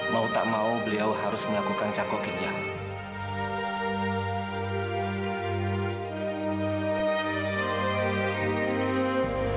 mau tak mau beliau harus melakukan cakok ginjal